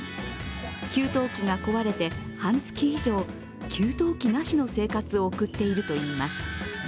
給湯器が行われて半月以上、給湯器なしの生活を行っているといいます。